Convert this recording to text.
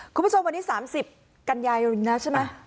คุณผู้ชมวันนี้๓๐กันยายนแล้วใช่ไหม